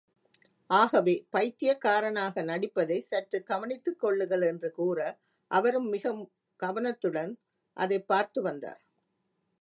ஆகவே, பைத்தியக்காரனாக நடிப்பதை, சற்றுக் கவனித்துக் கொள்ளுங்கள் என்று கூற, அவரும் மிகவும் கவனத்துடன் அதைப் பார்த்து வந்தார்.